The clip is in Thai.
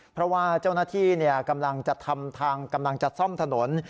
เพราะว่าเจ้าหน้าที่กำลังจะทำทางกำลังจะซ่อมถนน